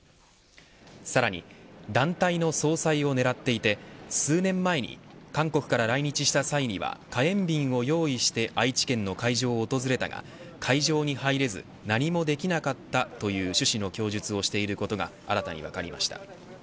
さらに団体の総裁を狙っていて数年前に韓国から来日した際には火炎瓶を用意して愛知県の会場を訪れたが会場に入れず何もできなかったという趣旨の供述をしていることが新たに分かりました。